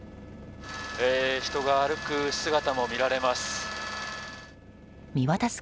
人が歩く姿も見られます。